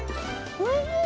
おいしい？